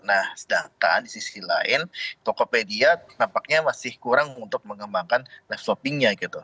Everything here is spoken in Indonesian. nah sedangkan di sisi lain tokopedia nampaknya masih kurang untuk mengembangkan live shoppingnya gitu